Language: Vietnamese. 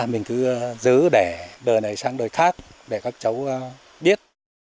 mình cứ giữ để đời này sang đời khác để các cháu biết